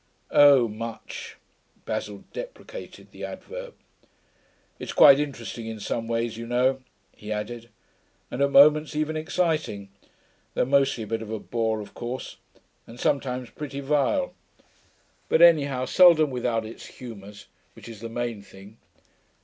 'Oh, much,' Basil deprecated the adverb. 'It's quite interesting in some ways, you know,' he added. 'And at moments even exciting. Though mostly a bit of a bore, of course, and sometimes pretty vile. But, anyhow, seldom without its humours, which is the main thing.